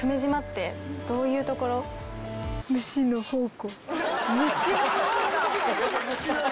虫の宝庫。